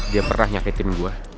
dia pernah nyakitin gue